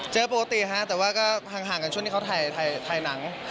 เจอปกติฮะแต่ว่าก็ห่างกันช่วงที่เขาถ่ายหนัง